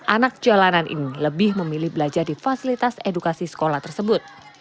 anak jalanan ini lebih memilih belajar di fasilitas edukasi sekolah tersebut